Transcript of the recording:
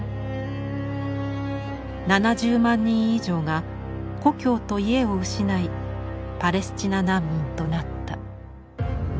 ７０万人以上が故郷と家を失いパレスチナ難民となった。